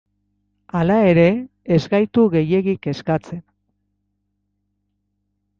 Hala ere, ez gaitu gehiegi kezkatzen.